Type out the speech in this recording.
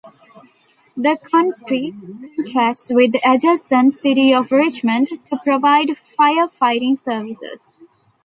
The county contracts with the adjacent city of Richmond to provide fire fighting services.